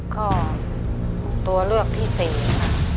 ก็ตัวเลือกที่๔นะครับ